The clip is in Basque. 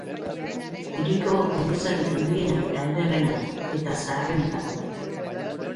Hiriko elizarik handiena eta ederrena da, eta zaharrenetako bat.